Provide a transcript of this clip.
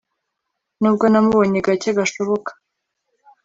nubwo namubonye gake gashoboka